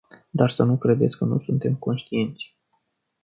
Dar să nu credeți că nu suntem conștienți.